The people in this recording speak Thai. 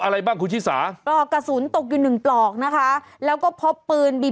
อะไรบ้างคุณชิสาปลอกกระสุนตกอยู่หนึ่งปลอกนะคะแล้วก็พบปืนบี